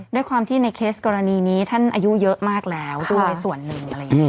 ด้วยความที่ในเคสกรณีนี้ท่านอายุเยอะมากแล้วด้วยส่วนหนึ่งอะไรอย่างนี้